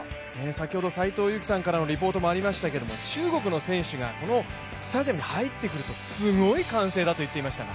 先ほど斎藤佑樹さんからのリポートもありましたけど中国の選手がこのスタジアムに入ってくるとすごい歓声だと言っていましたが。